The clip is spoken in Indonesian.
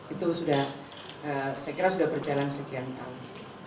itu sudah saya kira sudah berjalan sekian tahun